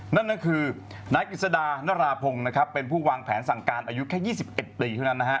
นั่นคือนายกิจดาณราพงศ์เป็นผู้วางแผนสั่งการอายุแค่๒๑ปี